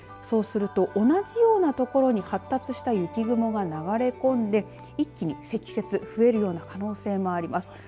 そうすると、同じような所に発達した雪雲が流れ込んで一気に積雪、増えるような可能性もあります。